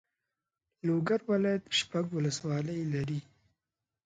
لوګر ولایت شپږ والسوالۍ لري.